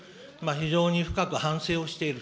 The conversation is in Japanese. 非常に深く反省をしている。